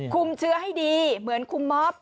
เชื้อให้ดีเหมือนคุมมอบ